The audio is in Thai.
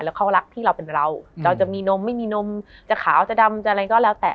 แล้วเขารักที่เราเป็นเราเราจะมีนมไม่มีนมจะขาวจะดำจะอะไรก็แล้วแต่